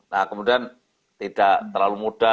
nah kemudian tidak terlalu muda